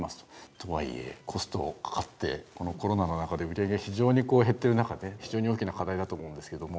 とはいえコストかかってこのコロナの中で売り上げが非常にこう減ってる中で非常に大きな課題だと思うんですけども。